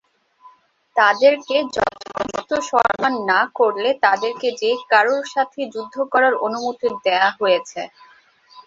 তাদেরকে যথোপযুক্ত সম্মান না করলে তাদেরকে যে-কারোর সাথেই যুদ্ধ করার অনুমতি দেয়া হয়েছে।